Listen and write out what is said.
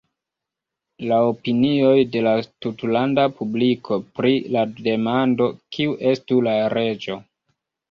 La opinioj de la tutlanda publiko pri la demando "kiu estu la reĝo?